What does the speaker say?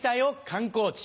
観光地。